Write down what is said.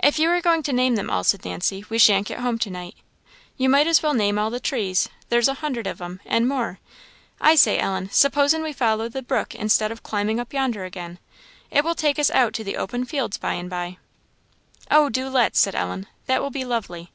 "If you are going to name them all," said Nancy, "we shan't get home to night; you might as well name all the trees there's a hundred of 'em, and more. I say, Ellen, suppos'n' we follow the brook instead of climbing up yonder again; it will take us out to the open fields by and by." "Oh, do let's!" said Ellen; "that will be lovely."